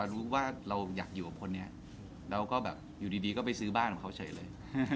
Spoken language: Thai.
รู้ว่าเราอยากอยู่กับคนนี้แล้วก็แบบอยู่ดีก็ไปซื้อบ้านของเขาเฉยเลย